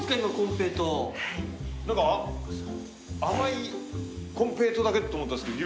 何か甘いコンペイトーだけと思ったんですけど